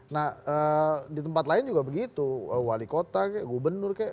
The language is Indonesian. nah di tempat lain juga begitu wali kota kek gubernur